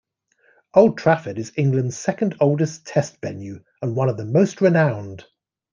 Old Trafford is England's second oldest Test venue and one of the most renowned.